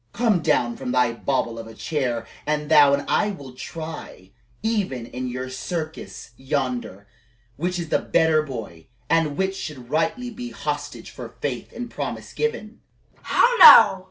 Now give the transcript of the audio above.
Come down from thy bauble of a chair and thou and I will try, even in your circus yonder, which is the better boy, and which should rightly be hostage for faith and promise given "How now!"